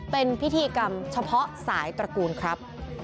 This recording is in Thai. เป็นพิธีกรรมเฉพาะสายตระกูลครับ